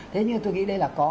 thế nhưng tôi nghĩ đây là có